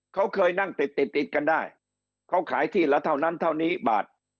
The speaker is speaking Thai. เขาเคยนั่งติดติดติดกันได้เขาขายที่ละเท่านั้นเท่านี้บาท